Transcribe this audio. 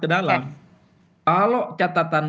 ke dalam kalau catatan